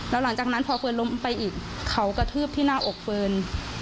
แล้วหลังจากนั้นพอเฟิร์นล้มไปอีกเขากระทืบที่หน้าอกเฟิร์น